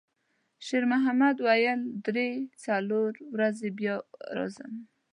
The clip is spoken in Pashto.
شېرمحمد وویل: «درې، څلور ورځې بیا راځم.»